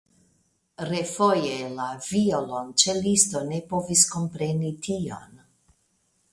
Refoje la violonĉelisto ne povis kompreni tion.